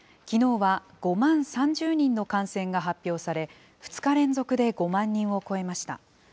きのうは５万３０人の感染が発表され、２日連続で５万人を超えました。